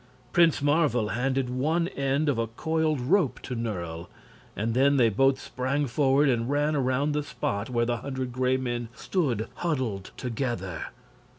Prince Marvel handed one end of a coiled rope to Nerle, and then they both sprang forward and ran around the spot where the hundred Gray Men stood huddled together.